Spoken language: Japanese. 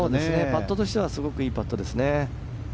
パットとしてはいいパットですね。